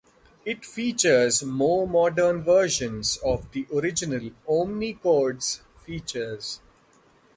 It features more modern versions of the original Omnichord's features.